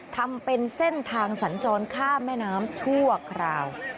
ทำเป็นเส้นทางสัญจรข้ามแม่น้ำชั่วคราว